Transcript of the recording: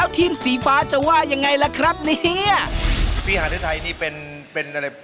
พี่ฮะท่นไทยเป็นเป็นอะไร